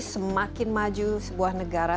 semakin maju sebuah negara